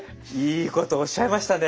いいことおっしゃいましたね。